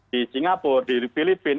di singapura di filipina